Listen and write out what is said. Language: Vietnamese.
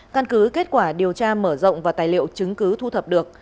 căn cứ kết quả điều tra mở rộng và tài liệu chứng cứ thu thập được